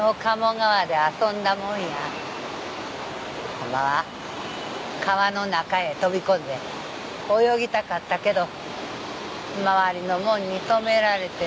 ホンマは川の中へ飛び込んで泳ぎたかったけど周りの者に止められてなあ。